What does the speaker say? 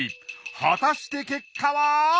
果たして結果は！？